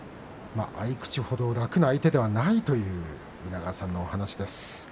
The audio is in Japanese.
合い口ほど楽な相手ではないという稲川さんのお話です。